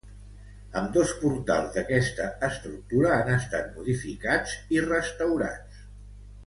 Ambdós portals d’aquesta estructura han estat modificats i restaurats.